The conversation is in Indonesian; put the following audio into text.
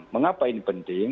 mengapa ini penting